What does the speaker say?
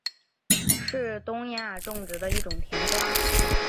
是东亚种植的一种甜瓜。